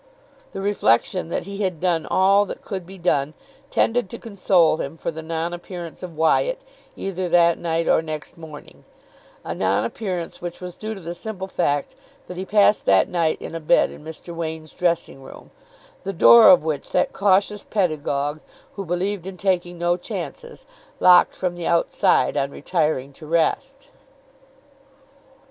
The reflection that he had done all that could be done tended to console him for the non appearance of Wyatt either that night or next morning a non appearance which was due to the simple fact that he passed that night in a bed in Mr. Wain's dressing room, the door of which that cautious pedagogue, who believed in taking no chances, locked from the outside on retiring to rest.